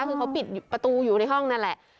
คือเขาปิดประตูอยู่ในห้องนั่นแหละ